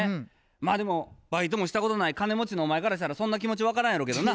まあでもバイトもしたこともない金持ちのお前からしたらそんな気持ち分からんやろうけどな。